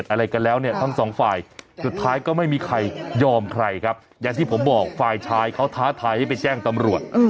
ท้าทายให้ไปแจ้งตำรวช